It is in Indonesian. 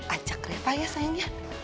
ajak reva ya sayangnya